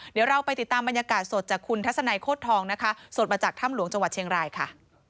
เดี๋ยวเราไปติดตามบรรยากาศสดจากคุณทัศนัยโคตรทองนะคะสดมาจากถ้ำหลวงจังหวัดเชียงรายค่ะ